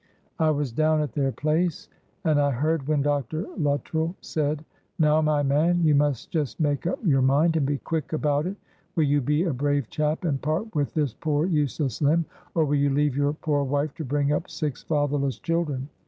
"I was down at their place, and I heard when Dr. Luttrell said, 'Now, my man, you must just make up your mind, and be quick about it. Will you be a brave chap and part with this poor useless limb, or will you leave your poor wife to bring up six fatherless children?